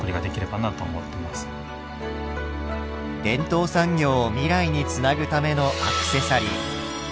伝統産業を未来につなぐためのアクセサリー。